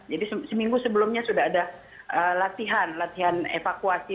jadi seminggu sebelumnya sudah ada latihan latihan evakuasi